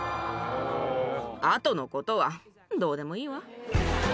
あとのことは、どうでもいいわ。